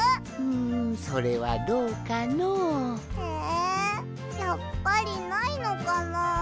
んそれはどうかの。えやっぱりないのかな。